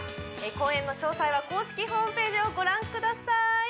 公演の詳細は公式ホームページをご覧ください